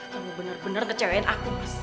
kamu benar benar kecewain aku